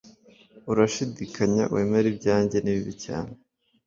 Urashidikanya wemere ibyanjye ni bibi cyane